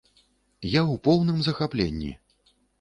Я у поўным захапленні.